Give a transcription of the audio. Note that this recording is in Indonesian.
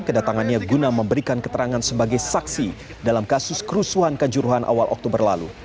kedatangannya guna memberikan keterangan sebagai saksi dalam kasus kerusuhan kanjuruhan awal oktober lalu